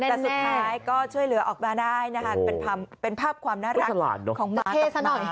แต่สุดท้ายก็ช่วยเหลือออกมาได้นะคะเป็นภาพความน่ารักของหมากับหมาย